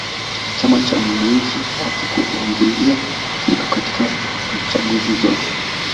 chama cha wananchi hakikuambulia kitu katika chaguzi zote